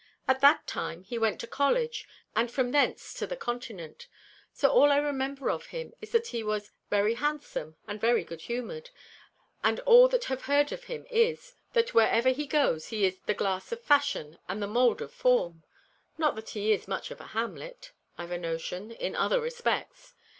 At that time he went to college, and from thence to the Continent. So all I remember of him is that he was very handsome and very good humoured; and all that have heard of him is, that wherever he goes he is the 'glass of fashion and the mould of form' not that he is much of a Hamlet, I've a notion, in other respects.